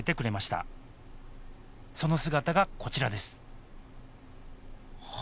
その姿がこちらですは